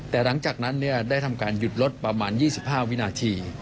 แต่หลังจากนั้นได้ทำการหยุดรถประมาณ๒๕วินาที